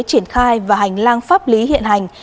triển khai và hành lang pháp lý hiện hành